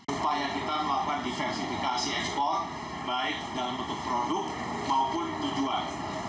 upaya kita melakukan diversifikasi ekspor baik dalam bentuk produk maupun tujuan